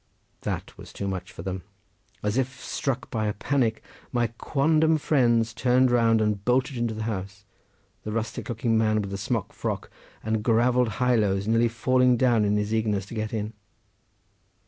That was too much for them. As if struck by a panic, my quondam friends turned round and bolted into the house; the rustic looking man with the smock frock and gravelled highlows nearly falling down in his eagerness to get in.